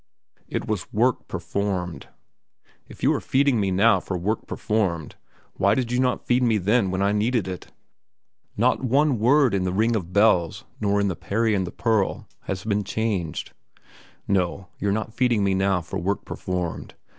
It was work performed. If you are feeding me now for work performed, why did you not feed me then when I needed it? Not one word in "The Ring of Bells," nor in "The Peri and the Pearl" has been changed. No; you're not feeding me now for work performed.